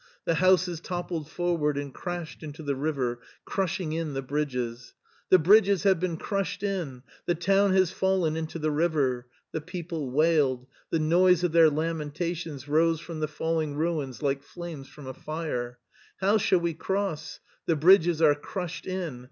" The houses toppled forward and crashed into the river, crushing in the bridges. "The bridges have been crushed in: the town has fallen into the river." The people wailed; the noise of their lamentations rose from the falling ruins like flames from a fire. "How shall we cross? The bridges are crushed in.